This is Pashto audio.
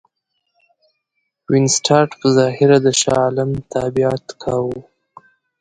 وینسیټارټ په ظاهره د شاه عالم تابعیت کاوه.